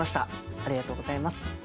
ありがとうございます。